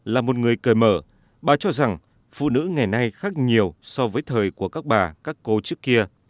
là một người cởi mở bà cho rằng phụ nữ ngày nay khác nhiều so với thời của các bà các cô trước kia